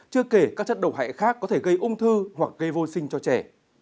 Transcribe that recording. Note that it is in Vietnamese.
chưa kể các chất độc hại khác có thể gây ung thư hoặc gây vô sinh cho trẻ